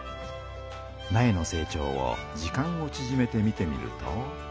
なえの成長を時間をちぢめて見てみると。